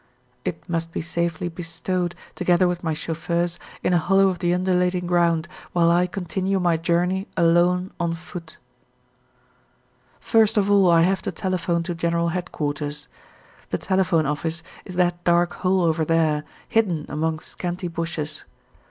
It must be safely bestowed, together with my chauffeurs, in a hollow of the undulating ground, while I continue my journey alone on foot. First of all I have to telephone to General Headquarters. The telephone office is that dark hole over there, hidden among scanty bushes.